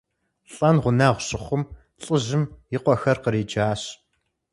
Лӏэн гъунэгъу щыхъум, лӏыжьым и къуэхэр къриджащ.